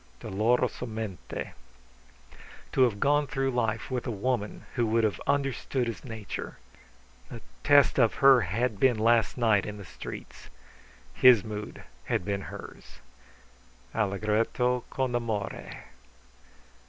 [Dolorosomente.] To have gone through life with a woman who would have understood his nature. The test of her had been last night in the streets. His mood had been hers. [Allegretto con amore.